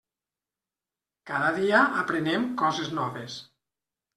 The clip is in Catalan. Cada dia aprenem coses noves.